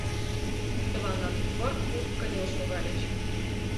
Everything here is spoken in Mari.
Чыланат вырт-вурт кынел шогальыч.